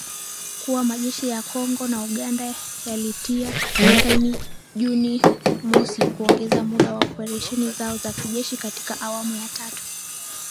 kuwa majeshi ya Kongo na Uganda yalitia saini Juni mosi kuongeza muda wa operesheni zao za kijeshi katika awamu ya tatu